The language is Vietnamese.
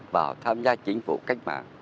vào tham gia chính phủ cách mạng